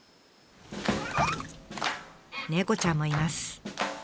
猫ちゃんもいます。